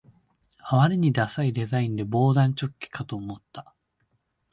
あまりにダサいデザインで防弾チョッキかと思った